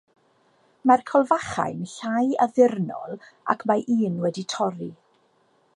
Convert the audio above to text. Mae'r colfachau'n llai addurnol, ac mae un wedi torri.